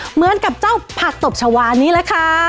เหมือนกับเจ้าผักตบชาวานี่แหละค่ะ